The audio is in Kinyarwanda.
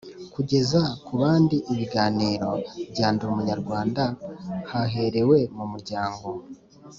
Kugeza ku bandi ibiganiro bya Ndi Umunyarwanda haherewe mu muryango